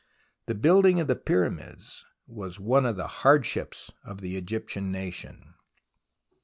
The building of the Pyramids was one of the hardships of the Egyptian nation.